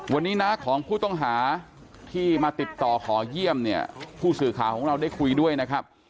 วันนี้น้าของผู้ต้องหาที่มาติดต่อขอเยี่ยมเนี่ยผู้สื่อข่าวของเราได้คุยด้วยนะครับ